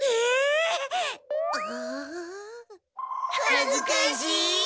はずかしい。